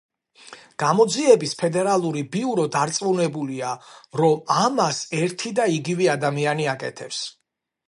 გამოძიების ფედერალური ბიურო დარწმუნებულია, რომ ამას ერთი და იგივე ადამიანი აკეთებს.